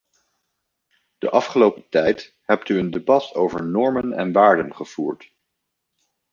De afgelopen tijd hebt u een debat over normen en waarden gevoerd.